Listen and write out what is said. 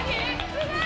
すごい！